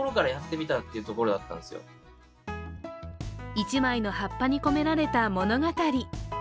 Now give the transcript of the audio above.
１枚の葉っぱに込められた物語。